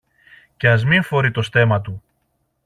και ας μη φορεί το στέμμα του